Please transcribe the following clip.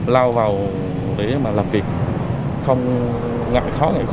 lao vào để mà làm việc không ngại khó ngại khổ